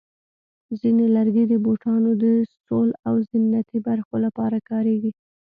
ځینې لرګي د بوټانو د سول او زینتي برخو لپاره کارېږي.